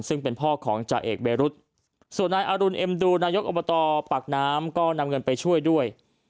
ซึ่งเป็นพ่อของจ่าเอกเบรุษส่วนนายอรุณเอ็มดูนายกอบตปากน้ำก็นำเงินไปช่วยด้วย